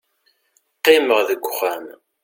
qqimeɣ deg uxxam